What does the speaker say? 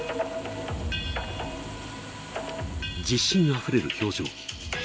自信あふれる表情。